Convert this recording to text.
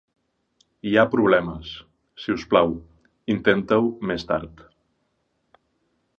Hi ha problemes. Si us plau, intenta-ho més tard.